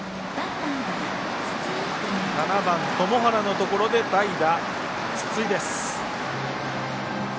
７番、塘原のところで代打、筒井です。